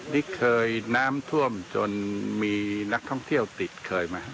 นี่เคยน้ำท่วมจนมีนักท่องเที่ยวติดเคยไหม